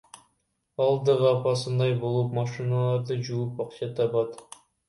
Ал дагы апасындай болуп машиналарды жууп ачка табат.